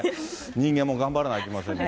人間も頑張らないといけませんね。